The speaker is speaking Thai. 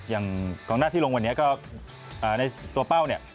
อย่างกองหน้าที่ลงวันนี้ก็ในตัวเป้าเนี่ย